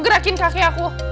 ngerakin kakek aku